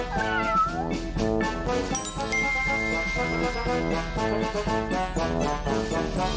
แหมกำลังกำลังอยู่